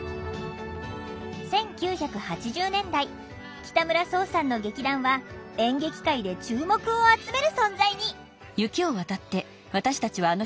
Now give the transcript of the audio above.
１９８０年代北村想さんの劇団は演劇界で注目を集める存在に！